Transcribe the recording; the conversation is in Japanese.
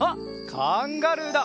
カンガルーだ！